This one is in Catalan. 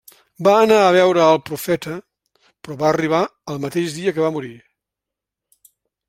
Va anar a veure al Profeta però va arribar al mateix dia que va morir.